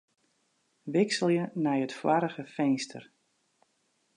Wikselje nei it foarige finster.